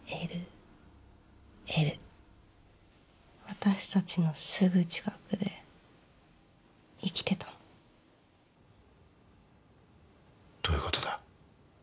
私たちのすぐ近くで生きてたのどういうことだ？